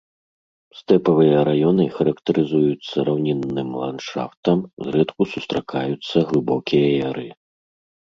Стэпавыя раёны характарызуюцца раўнінным ландшафтам, зрэдку сустракаюцца глыбокія яры.